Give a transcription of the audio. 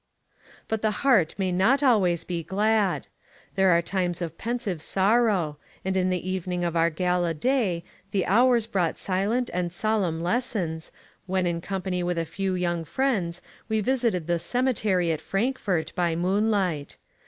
But the heart may not always be glad. There are times of pensive sorrow, and in the evening of our gala day, the hours brought silent and solemn les sons, when in company with a few young friends, we visited the Cemetery at Frankfort, by moonlight.